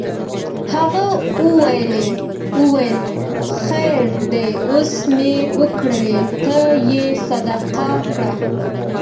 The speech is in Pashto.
هغه وویل خیر دی اوس مې ورکړې ته یې صدقه کړه.